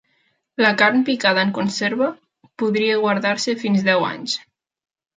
La carn picada en conserva podria guardar-se fins deu anys.